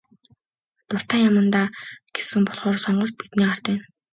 Дуртай яамандаа гэсэн болохоор сонголт бидний гарт байна.